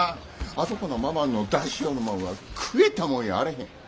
あそこのママの出しよるもんは食えたもんやあれへん。